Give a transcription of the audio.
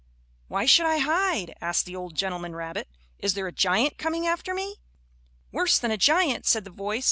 "Why should I hide?" asked the old gentleman rabbit. "Is there a giant coming after me?" "Worse than a giant," said the voice.